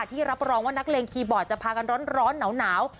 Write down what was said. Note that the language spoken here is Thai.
รับรองว่านักเลงคีย์บอร์ดจะพากันร้อนหนาว